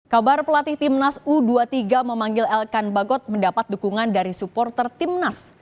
kabar pelatih timnas u dua puluh tiga memanggil elkan bagot mendapat dukungan dari supporter timnas